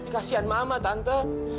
kasian mama tante